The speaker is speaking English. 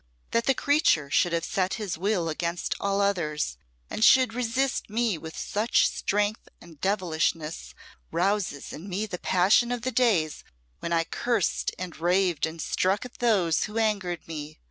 That the creature should have set his will against all others, and should resist me with such strength and devilishness, rouses in me the passion of the days when I cursed and raved and struck at those who angered me.